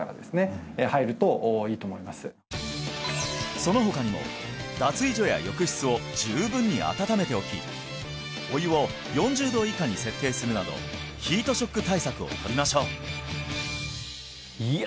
その他にも脱衣所や浴室を十分に温めておきお湯を４０度以下に設定するなどヒートショック対策を取りましょういや